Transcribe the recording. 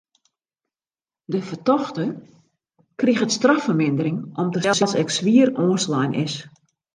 De fertochte kriget straffermindering om't er sels ek swier oanslein is.